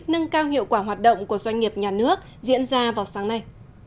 nâng cao hiệu quả hoạt động của doanh nghiệp nhà nước diễn ra vào sáng nay